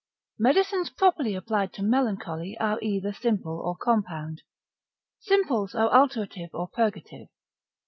Medicines properly applied to melancholy, are either simple or compound. Simples are alterative or purgative.